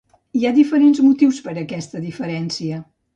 Hi ha diferents motius per a aquesta diferència.